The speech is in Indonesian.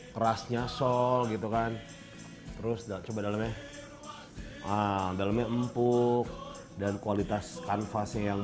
kerasnya sol gitu kan terus coba dalamnya dalamnya empuk dan kualitas kanvasnya yang